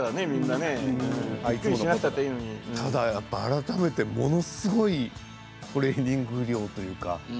改めてすごいトレーニング量というか。